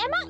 ya ya gak